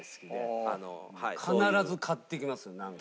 必ず買ってきますねなんか。